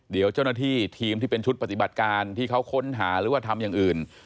เดี๋ยวเจ้าหน้าที่ทีมที่เป็นชุดปฏิบัติการที่เขาค้นหาหรือว่าทำอย่างอื่น